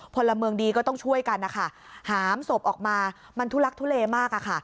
พลเมืองดีก็ต้องช่วยกันนะคะหามศพออกมามันทุลักทุเลมากอะค่ะ